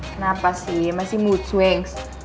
kenapa sih masih mood swings